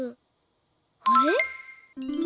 あれ？